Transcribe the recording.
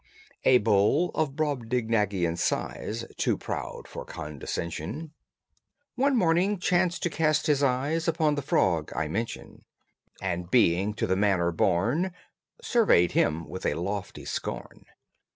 A bull of Brobdingnagian size, Too proud for condescension, One morning chanced to cast his eyes Upon the frog I mention; And, being to the manner born, Surveyed him with a lofty scorn.